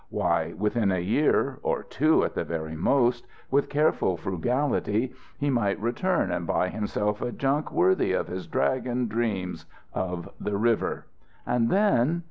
Why, within a year, or two at the very most, with careful frugality, he might return and buy himself a junk worthy of his Dragon dreams of the river. And then